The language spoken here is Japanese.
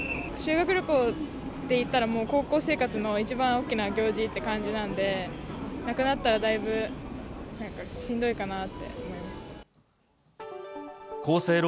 修学旅行っていったら、もう高校生活の一番大きな行事って感じなんで、なくなったらだいぶなんか、しんどいかなって思います。